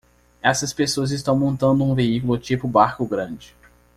Essas pessoas estão montando um veículo tipo barco grande.